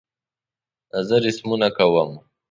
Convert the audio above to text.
زه رسمونه کوم